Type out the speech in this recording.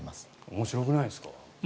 面白くないですか？